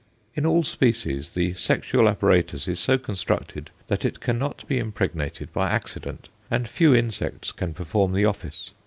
In all species the sexual apparatus is so constructed that it cannot be impregnated by accident, and few insects can perform the office.